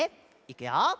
いくよ。